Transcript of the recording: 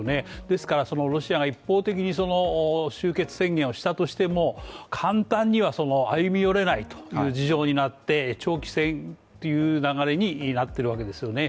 ですからロシアが一方的に終結宣言をしたとしても簡単には歩み寄れないという事情になって長期戦という流れになっているわけですよね。